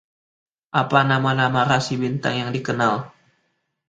Apa nama-nama rasi bintang yang dikenal?